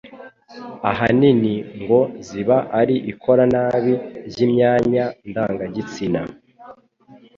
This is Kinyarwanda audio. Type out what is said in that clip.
ahanini ngo ziba ari ikora nabi ry'imyanya ndangagitsina